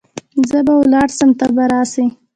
زه به ولاړ سم ته به راسي .